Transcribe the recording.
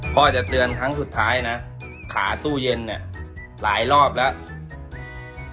พ่อจะเตือนครั้งสุดท้ายนะขาตู้เย็นเนี่ยหลายรอบแล้ว